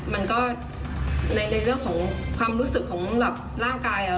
มันก็ในเรื่องของความรู้สึกของแบบร่างกายอ่ะ